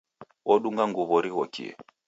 Odunga nguw'o righokie.